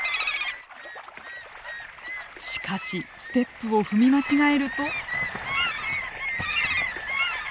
しかしステップを踏み間違えると。